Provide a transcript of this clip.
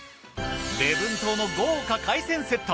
礼文島の豪華海鮮セット。